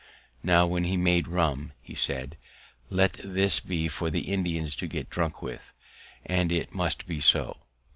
Now, when_ _he made rum, he said, 'Let this be for the Indians to get drunk with,' and it must be so.